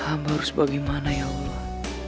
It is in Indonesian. kamu harus bagaimana ya allah